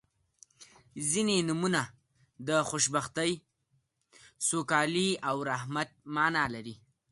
• ځینې نومونه د خوشبختۍ، سوکالۍ او رحمت معنا لري.